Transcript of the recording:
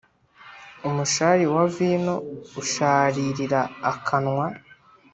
umushari wa vino usharirira akanwa